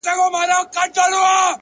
o زه خو د وخت د بـلاگـانـــو اشـنا،